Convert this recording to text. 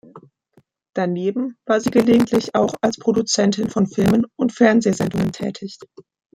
Daneben war sie gelegentlich auch als Produzentin von Filmen und Fernsehsendungen tätig.